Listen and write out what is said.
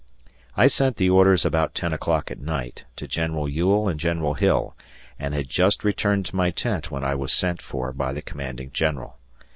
I sent the orders about 10 o'clock at night to General Ewell and General Hill and had just returned to my tent when I was sent for by the Commanding General.